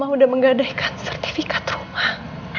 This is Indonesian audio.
mama udah menggadaikan sertifikat rumah